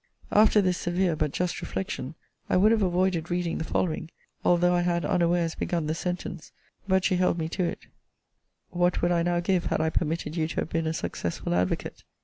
After this severe, but just reflection, I would have avoided reading the following, although I had unawares begun the sentence, (but she held me to it:) What would I now give, had I permitted you to have been a successful advocate!